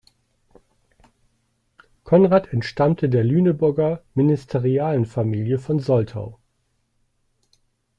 Konrad entstammte der Lüneburger Ministerialenfamilie von Soltau.